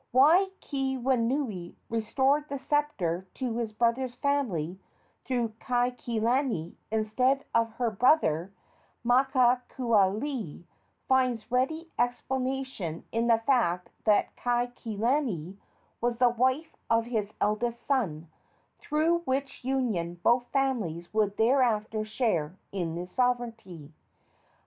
Why Keawenui restored the sceptre to his brother's family through Kaikilani instead of her brother, Makakaualii, finds ready explanation in the fact that Kaikilani was the wife of his eldest son, through which union both families would thereafter share in the sovereignty.